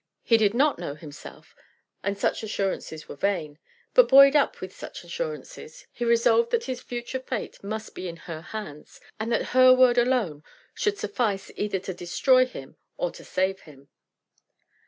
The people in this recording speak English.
He did not know himself, and such assurances were vain. But buoyed up by such assurances, he resolved that his future fate must be in her hands, and that her word alone should suffice either to destroy him or to save him.